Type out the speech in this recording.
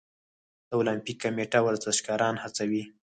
د المپیک کمیټه ورزشکاران هڅوي؟